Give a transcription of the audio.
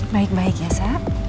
baik baik ya sayang